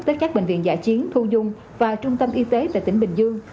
tới các bệnh viện giả chiến thu dung và trung tâm y tế tại tỉnh bình dương